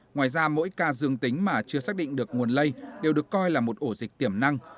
ngoài ra mỗi ca dương tính mà chưa xác định được nguồn lây đều được coi là một ổ dịch tiềm năng